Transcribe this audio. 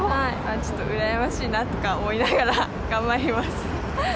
ちょっと羨ましいなとか思いながら、頑張ります。